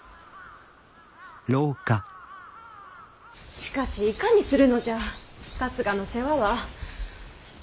しかしいかにするのじゃ春日の世話は。